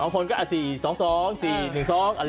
๒คนก็อัศยีสองสอง๔๑๑๒